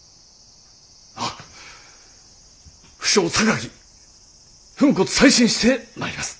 はっ不肖榊粉骨砕身してまいります。